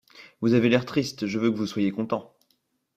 Vous avez l’air triste, je veux que vous soyez content.